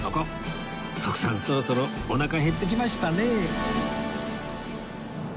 徳さんそろそろおなか減ってきましたね